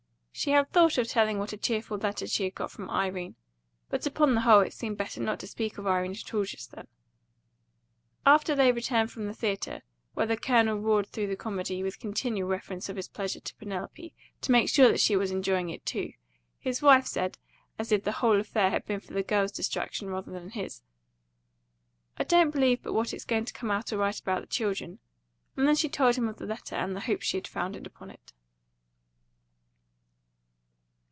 She had thought of telling what a cheerful letter she had got from Irene; but upon the whole it seemed better not to speak of Irene at all just then. After they returned from the theatre, where the Colonel roared through the comedy, with continual reference of his pleasure to Penelope, to make sure that she was enjoying it too, his wife said, as if the whole affair had been for the girl's distraction rather than his, "I don't believe but what it's going to come out all right about the children;" and then she told him of the letter, and the hopes she had founded upon it.